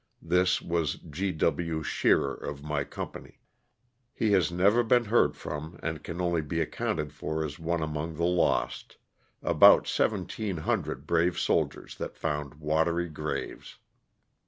This was G. W. Shearer of my company. lie has never been heard from and can only be accounted for as one among the lost ; about seventeen hundred (1700) brave soldiers that found watery graves.